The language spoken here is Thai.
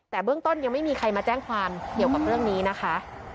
แต่เบื้องต้นยังไม่มีใครมาแจ้งความเกี่ยวกับเรื่องนี้นะคะ